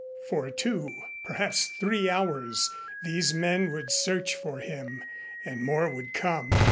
For two, perhaps three hours, these men would search for him, and more would come.